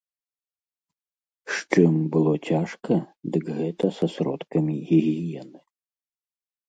З чым было цяжка, дык гэта са сродкамі гігіены.